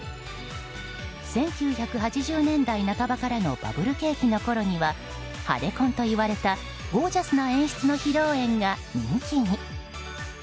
１９８０年代半ばからのバブル景気のころには派手婚と言われたゴージャスな演出の披露宴が人気に。